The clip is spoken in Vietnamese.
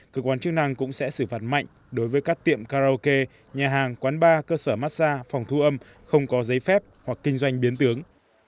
cơ quan chức năng cũng sẽ xử phạt mạnh đối với các tiệm karaoke nhà hàng quán bar cơ sở massage phòng thu âm không có giấy phép hoặc kinh doanh biến tướng